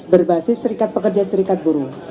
berbasis serikat pekerja serikat buruh